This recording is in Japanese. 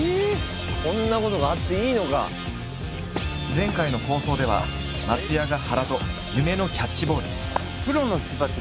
前回の放送では松也が原と夢のキャッチボール。